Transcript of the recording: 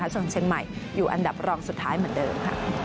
ส่วนเชียงใหม่อยู่อันดับรองสุดท้ายเหมือนเดิม